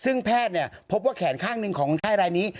ซึ่งแพทย์พบว่าแขนข้างหนึ่งของคนไข้รายนี้